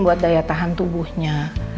buat daya tahan tubuhnya